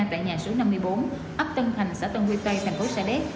tại nhà số năm mươi bốn ấp tân thành xã tân quy tây thành phố xà đéc